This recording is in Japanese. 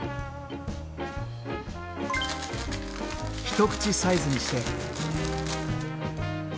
一口サイズにして。